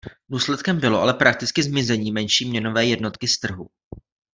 Důsledkem bylo ale prakticky zmizení menší měnové jednotky z trhu.